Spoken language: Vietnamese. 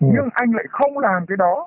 nhưng anh lại không làm cái đó